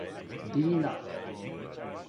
Бина